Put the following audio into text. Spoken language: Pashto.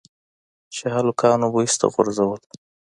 چې هلکانو به ايسته غورځول.